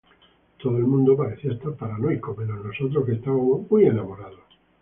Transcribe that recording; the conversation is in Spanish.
Todo el mundo parecía estar paranoico, menos nosotros que estábamos muy enamorados.